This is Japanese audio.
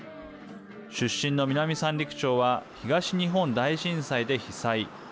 出身の南三陸町は東日本大震災で被災。